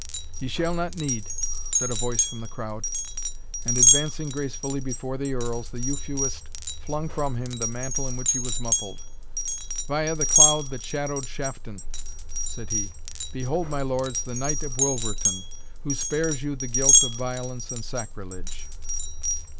"Ye shall not need," said a voice from the crowd; and, advancing gracefully before the Earls, the Euphuist flung from him the mantle in which he was muffled. "Via the cloud that shadowed Shafton!" said he; "behold, my lords, the Knight of Wilverton, who spares you the guilt of violence and sacrilege."